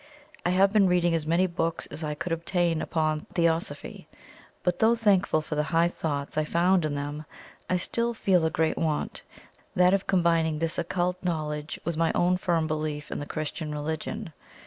... I have been reading as many books as I could obtain upon Theosophy, but though thankful for the high thoughts I found in them, I still felt a great want that of combining this occult knowledge with my own firm belief in the Christian religion.